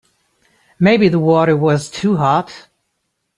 Maybe the water was too hot.